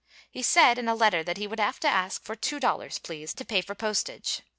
He said in a letter that he would have to ask for $2, please, to pay for postage.